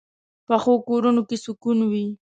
پخو کورونو کې سکون وي